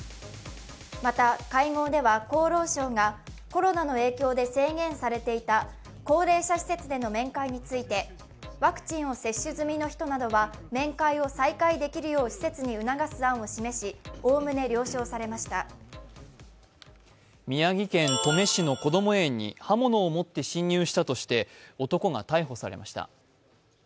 また、会合では厚労省が、コロナの影響で制限されていた高齢者施設での面会についてワクチンを接種済みの人などは面会を再開できるよう施設に促す案を示し、おおむね了承されました宮城県登米市のこども園に刃物を持って侵入したとして男が逮捕されました。